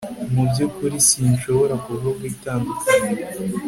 Mu byukuri sinshobora kuvuga itandukaniro